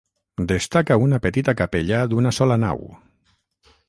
Destaca una petita capella d'una sola nau.